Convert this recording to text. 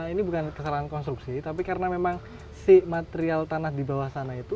ini bukan kesalahan konstruksi tapi karena memang si material tanah di bawah sana itu